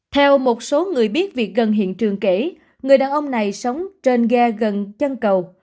theo một số người biết việc gần hiện trường kể người đàn ông này sống trên ghe gần chân cầu